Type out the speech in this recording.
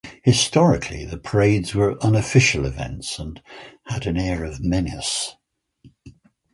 Historically, the parades were unofficial events and had an air of menace.